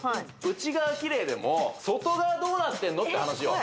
内側キレイでも外側どうなってんの？って話よ